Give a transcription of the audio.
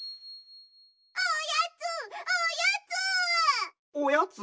おやつおやつ！